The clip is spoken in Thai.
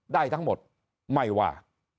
ได้ทั้งหมดไม่ว่า